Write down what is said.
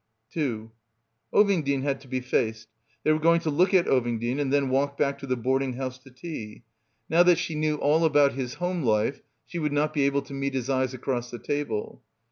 Ovingdean had to be faced. They were going to look at Ovingdean and then walk back to the — 226 — BACKWATER boarding house to tea. Now that she knew all about his home life she would not be able to meet his eyes across the table.